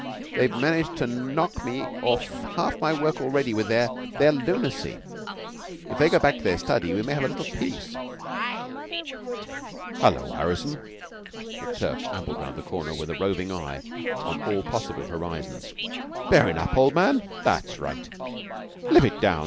They've managed to knock me out of half my work already with their their lunacy. If they go back to their study we may have a little peace." "Hullo, Harrison." McTurk ambled round the corner, with a roving eye on all possible horizons. "Bearin' up, old man? That's right. Live it down!